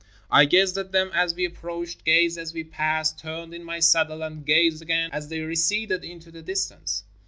I gazed at them as we ap proached, gazed as we passed, turned in my saddle and gazed again as they receded into the distance.